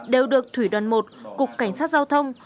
đều được thủy đoàn một cục cảnh sát giao thông